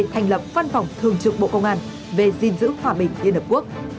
hành lập văn phòng thường trực bộ công an về xin giữ hòa bình liên hợp quốc